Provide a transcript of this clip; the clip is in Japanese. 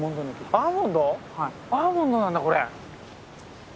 アーモンドなんだこれ。